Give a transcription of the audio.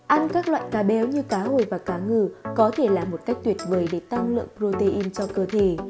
ăn các loại cá béo như cá hồi và cá ngừ có thể là một cách tuyệt vời để tăng lượng protein cho cơ thể